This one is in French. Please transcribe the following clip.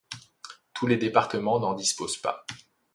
Tous les départements n'en disposent pas.